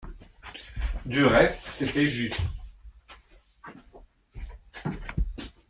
Du reste, c’était juste.